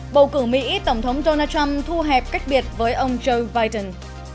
bầu cử mỹ tổng thống donald trump thu hẹp cách biệt với ông joe biden